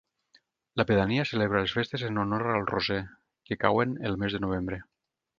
La pedania celebra les festes en honor al Roser, que cauen el mes de novembre.